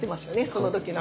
その時の。